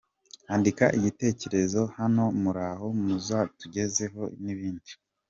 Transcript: Andika Igitekerezo Hano Muraho muzatujyezeho ni bidi.